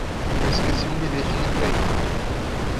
Eu esqueci um bilhete de trem.